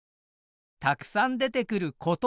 たくさん出てくることわざ